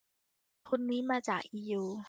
ทุนนี้มาจากอียู